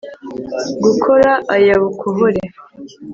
Gakora aya bukohore!